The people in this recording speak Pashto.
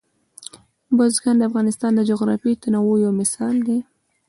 بزګان د افغانستان د جغرافیوي تنوع یو مثال دی.